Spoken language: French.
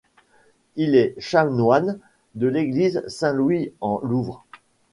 Il est chanoine de l'église Saint-Louis-en-Louvre.